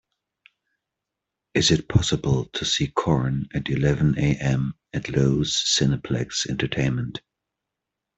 is it possible to see Corn at eleven A.M. at Loews Cineplex Entertainment